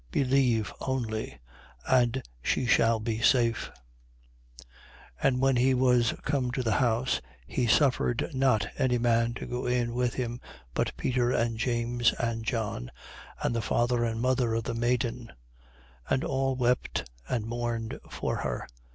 Believe only: and she shall be safe. 8:51. And when he was come to the house, he suffered not any man to go in with him, but Peter and James and John, and the father and mother of the maiden. 8:52. And all wept and mourned for her.